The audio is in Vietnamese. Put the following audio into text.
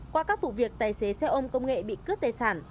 qua các vụ việc tài xế xe ôm công nghệ bị cướp tài sản